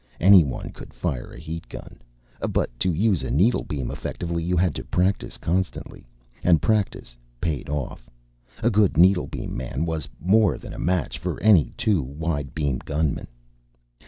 Anyone could fire a heat gun; but to use a needlebeam effectively, you had to practice constantly. And practice paid off. A good needlebeam man was more than a match for any two widebeam gunmen.